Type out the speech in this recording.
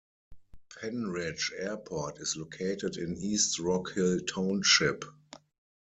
Pennridge Airport is located in East Rockhill Township.